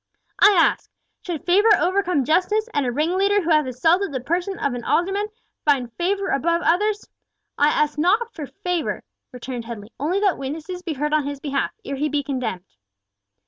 I ask should favour overcome justice, and a ringleader, who hath assaulted the person of an alderman, find favour above others?" "I ask not for favour," returned Headley, "only that witnesses be heard on his behalf, ere he be condemned."